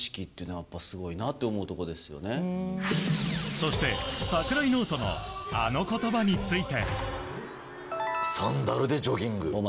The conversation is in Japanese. そして、櫻井ノートのあの言葉について。